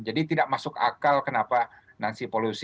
jadi tidak masuk akal kenapa nancy pelosi